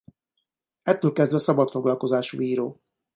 Ettől kezdve szabadfoglalkozású író.